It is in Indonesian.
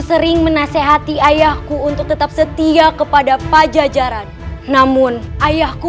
sering menasehati ayahku untuk tetap setia kepada pajajaran namun ayahku